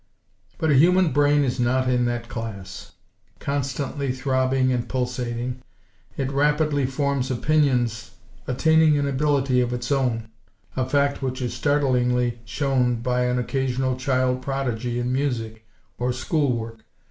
But a human brain is not in that class. Constantly throbbing and pulsating, it rapidly forms opinions; attaining an ability of its own; a fact which is startlingly shown by an occasional child "prodigy" in music or school work.